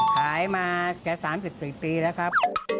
ขายมาแค่๓๐สิบปีแล้วครับ